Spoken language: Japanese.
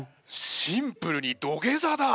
シンプルに土下座だ！